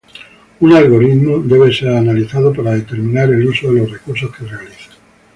Un algoritmo debe ser analizado para determinar el uso de los recursos que realiza.